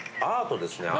アート。